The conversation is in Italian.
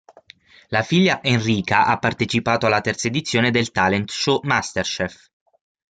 La figlia Enrica ha partecipato alla terza edizione del talent show "MasterChef".